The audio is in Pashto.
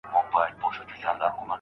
نو زده کوونکي یې ویني.